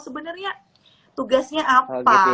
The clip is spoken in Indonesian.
sebenarnya tugasnya apa